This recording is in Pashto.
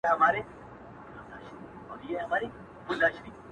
په روغو یا پر ماتو ښپو